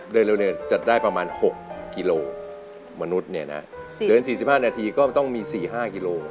เดินเร็วจัดได้ประมาณ๖กิโลมนุษย์เนี่ยนะเดิน๔๕นาทีก็ต้องมี๔๕กิโล